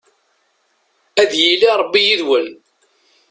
Ad yili Rebbi yid-wen!